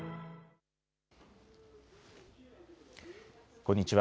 こんにちは。